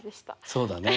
そうだね。